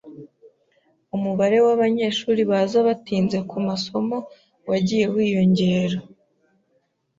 Umubare wabanyeshuri baza batinze kumasomo wagiye wiyongera.